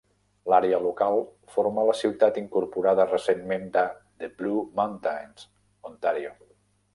L'àrea local forma la ciutat incorporada recentment de The Blue Mountains, Ontario.